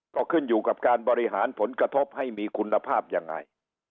ก็ขึ้นอยู่กับการบริหารผลกระทบให้มีคุณภาพยังไง